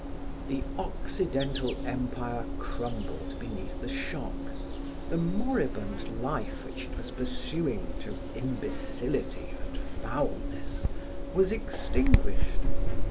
The Occidental Empire crumbled beneath the shock; the moribund life which it was pursuing to imbecility and foulness, was extinguished.